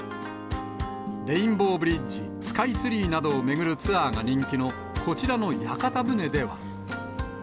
レインボーブリッジ、スカイツリーなどを巡るツアーが人気のこちらの屋形船では。